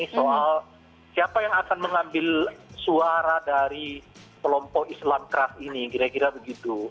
soal siapa yang akan mengambil suara dari kelompok islam keras ini kira kira begitu